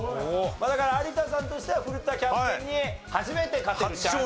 だから有田さんとしては古田キャプテンに初めて勝てるチャンス。